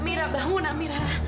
amira bangun amira